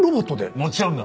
もちろんだ。